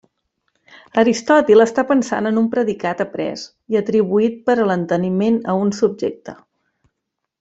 Aristòtil està pensant en un predicat après i atribuït per l'enteniment a un subjecte.